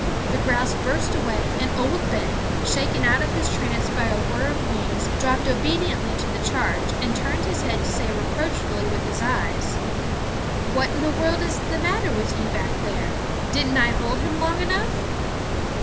The grouse burst away, and Old Ben, shaken out of his trance by the whirr of wings, dropped obediently to the charge and turned his head to say reproachfully with his eyes: "What in the world is the matter with you back there didn't I hold him long enough?"